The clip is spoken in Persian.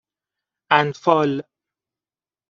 اَنفال